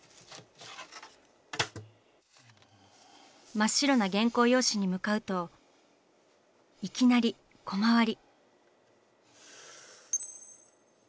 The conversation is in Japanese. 真っ白な原稿用紙に向かうといきなりコマ割り。